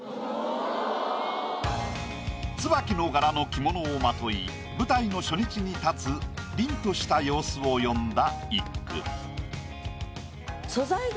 椿の柄の着物をまとい舞台の初日に立つ凛とした様子を詠んだ一句。